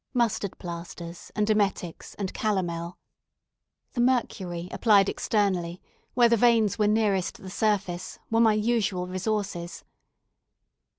Mustard plasters, and emetics, and calomel; the mercury applied externally, where the veins were nearest the surface, were my usual resources.